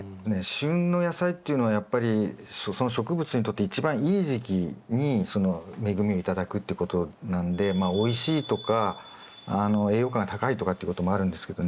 旬の野菜っていうのはやっぱりその植物にとって一番いい時期にその恵みを頂くってことなんでまあおいしいとか栄養価が高いとかっていうこともあるんですけどね